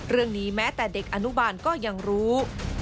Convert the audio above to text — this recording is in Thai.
เรื่องนี้แม้แต่เด็กอนุบาลก็ยังรู้